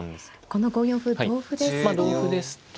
この５四歩同歩ですと。